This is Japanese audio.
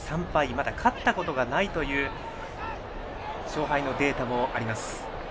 まだ勝ったことがないという勝敗のデータもあります。